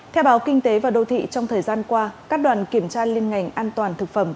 theo báo kinh tế và đô thị trong thời gian qua các đoàn kiểm tra liên ngành an toàn thực phẩm